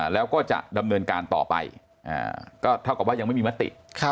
แล้วก็จะดำเนินการต่อไปก็เท่ากับว่ายังไม่มีมติ